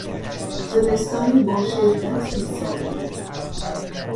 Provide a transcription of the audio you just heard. زمستانی با شدت بیسابقه